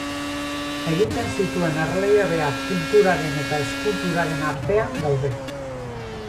Egiten zituen erliebeak pinturaren eta eskulturaren artean daude.